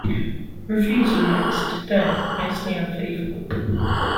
Reviews were mixed, though mostly unfavorable.